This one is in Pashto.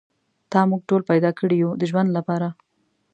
تا موږ ټول پیدا کړي یو د ژوند لپاره.